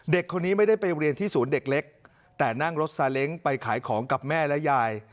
เด็กคนนี้ไม่ได้ไปเรียนที่ศูนย์เด็กเล็กแต่นั่งรถซาเล้งไปขายของกับแม่และยาย